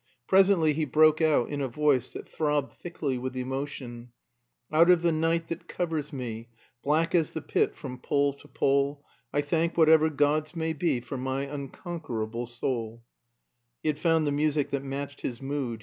Presently he broke out in a voice that throbbed thickly with emotion "Out of the night that covers me, Black as the pit from pole to pole, I thank whatever gods may be For my unconquerable soul " He had found the music that matched his mood.